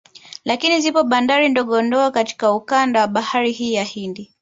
Lakini zipo bandari ndogo ndogo katika ukanda wa bahari hii ya Hindi